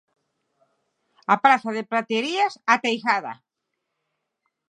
A Praza de Praterías, ateigada.